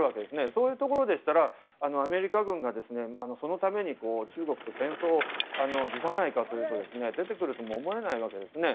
そういうところでしたらアメリカ軍はそのために、中国と戦争を辞さないかというと出てくるとも思えないわけですね。